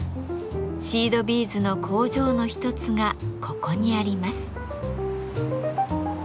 シードビーズの工場の一つがここにあります。